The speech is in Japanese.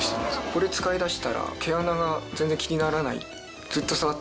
これ使い出したら毛穴が全然気にならない。